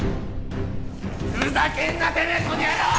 ふざけんなてめえっこの野郎！